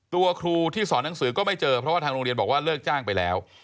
ครูที่สอนหนังสือก็ไม่เจอเพราะว่าทางโรงเรียนบอกว่าเลิกจ้างไปแล้ว